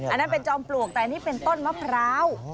อันนั้นเป็นจอมปลวกแต่อันนี้เป็นต้นมะพร้าว